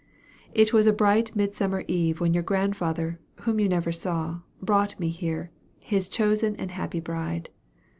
"It was a bright midsummer eve when your grandfather, whom you never saw, brought me here, his chosen and happy bride.